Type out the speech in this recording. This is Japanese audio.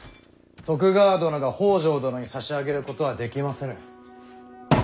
徳川殿が北条殿に差し上げることはできませぬ。